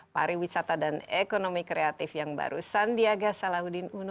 pariwisata dan ekonomi kreatif yang baru sandiaga salahuddin uno